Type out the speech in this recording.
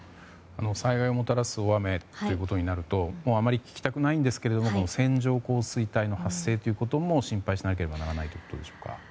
災害をもたらす大雨ということになるとあまり聞きたくないんですが線状降水帯の発生ということも心配しなければならないということでしょうか？